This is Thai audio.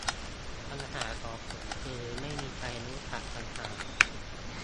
ปัญหาของผมคือการไม่มีใครรู้จักต่างหาก